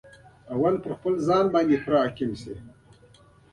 لومړی باید پر خپل ځان باندې پوره حاکم شي.